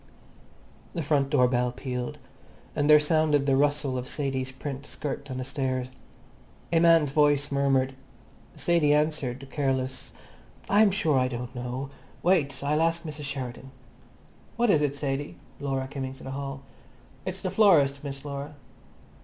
The front door bell pealed, and there sounded the rustle of Sadie's print skirt on the stairs. A man's voice murmured; Sadie answered, careless, "I'm sure I don't know. Wait. I'll ask Mrs Sheridan." "What is it, Sadie?" Laura came into the hall. "It's the florist, Miss Laura."